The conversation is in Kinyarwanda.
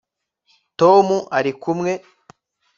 Tom arikumwe